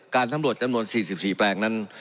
การสำรวจจำนวน๔๔แปลงนั้น